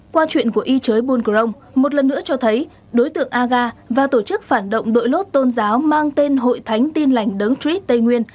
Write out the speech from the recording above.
qua chuyện của y chới bùn crong một lần nữa cho thấy đối tượng aga và tổ chức phản động đội lốt tôn giáo mang tên hội thánh tin lành đấng trích tây nguyên